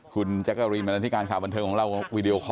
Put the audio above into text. คุณแจ้กรีนมาที่การขาวบันเทิงของเราวิดีโอคอ